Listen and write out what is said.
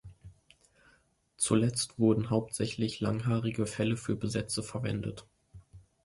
Zuletzt wurden hauptsächlich langhaarige Felle für Besätze verwendet.